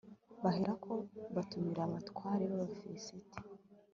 baherako batumira abatware b'abafilisiti